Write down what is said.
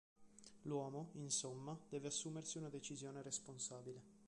L'uomo, insomma, deve assumersi una decisione responsabile.